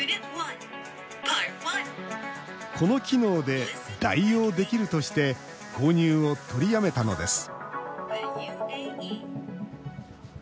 この機能で代用できるとして購入を取りやめたのです